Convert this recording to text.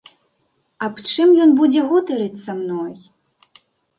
Аб чым ён будзе гутарыць са мной?